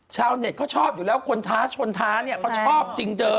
ชาวเน็ตเขาชอบอยู่แล้วคนท้าชนท้าเนี่ยเขาชอบจริงเธอ